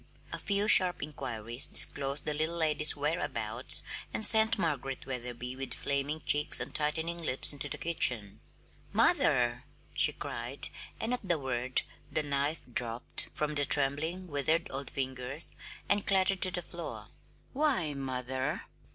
A few sharp inquiries disclosed the little lady's whereabouts and sent Margaret Wetherby with flaming cheeks and tightening lips into the kitchen. "Mother!" she cried; and at the word the knife dropped from the trembling, withered old fingers and clattered to the floor. "Why, mother!"